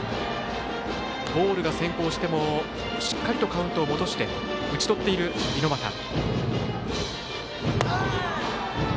ボールが先行してもしっかりとカウントを戻して打ち取っている猪俣。